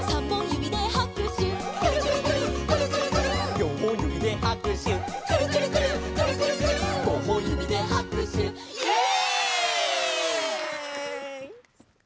「よんほんゆびではくしゅ」「くるくるくるっくるくるくるっごほんゆびではくしゅ」イエイ！